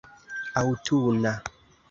aŭtuna